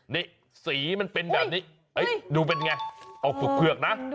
นี่สีมันเป็นแบบนี้ดูเป็นไงเอาเผือกนะ